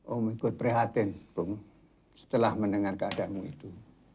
om ikut perhatian pung setelah mendengar keadaanmu itu